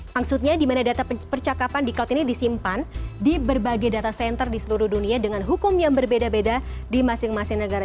maksudnya di mana data percakapan di cloud ini disimpan di berbagai data center di seluruh dunia dengan hukum yang berbeda beda di masing masing negara